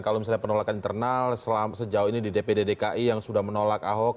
kalau misalnya penolakan internal sejauh ini di dpd dki yang sudah menolak ahok